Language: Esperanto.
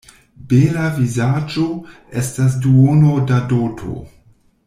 Bela vizaĝo estas duono da doto.